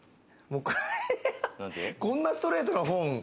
こんなストレートな本。